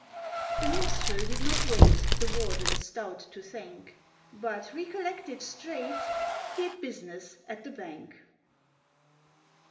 The minstrel did not wait The warden stout to thank, But recollected straight He'd business at the Bank.